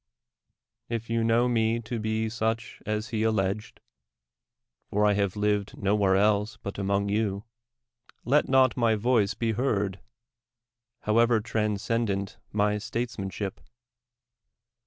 If you know me to be such as he alleged — for I have lived no where else but among you — let not my voice be heard, however transcendent my statesmanship!